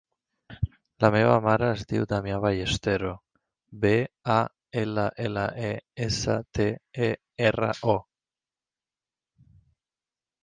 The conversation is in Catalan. La meva mare es diu Damià Ballestero: be, a, ela, ela, e, essa, te, e, erra, o.